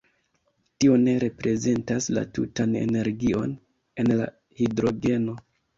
Tio ne reprezentas la tutan energion en la hidrogeno.